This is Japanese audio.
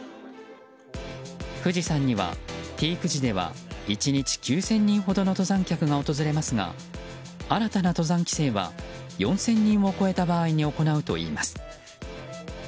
富士山にはピーク時では１日９０００人ほどの登山客が訪れますが新たな登山規制は４０００人を超えた場合に行うといいます。